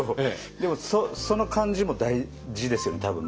でもその感じも大事ですよね多分ね。